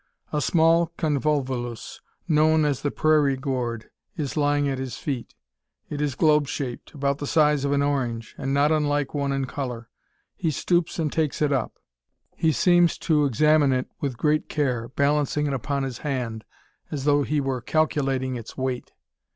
A small convolvulus, known as the prairie gourd, is lying at his feet. It is globe shaped, about the size of an orange, and not unlike one in colour. He stoops and takes it up. He seems to examine it with great care, balancing it upon his hand, as though he were calculating its weight.